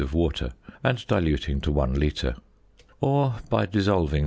of water, and diluting to 1 litre, or by dissolving 44.